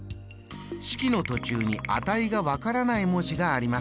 式の途中に値が分からない文字があります。